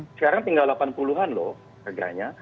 sekarang tinggal delapan puluh an loh harganya